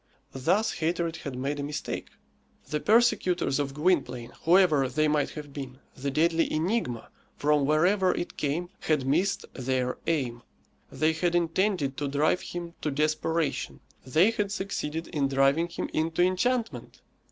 Thus hatred had made a mistake. The persecutors of Gwynplaine, whoever they might have been the deadly enigma, from wherever it came had missed their aim. They had intended to drive him to desperation; they had succeeded in driving him into enchantment.